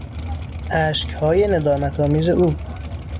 اشکهای ندامت آمیز او